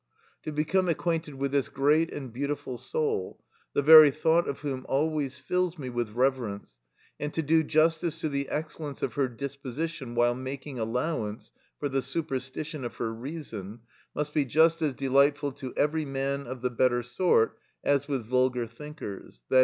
To become acquainted with this great and beautiful soul, the very thought of whom always fills me with reverence, and to do justice to the excellence of her disposition while making allowance for the superstition of her reason, must be just as delightful to every man of the better sort as with vulgar thinkers, _i.